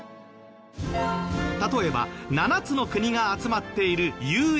例えば７つの国が集まっているＵＡＥ